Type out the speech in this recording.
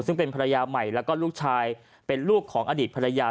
ซึ่งเป็นภรรยาใหม่แล้วก็ลูกชายเป็นลูกของอดีตภรรยา